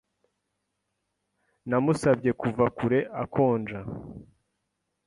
Namusabye kuva kure akonja.